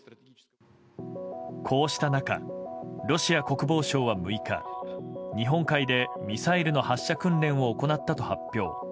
こうした中、ロシア国防省は６日日本海でミサイルの発射訓練を行ったと発表。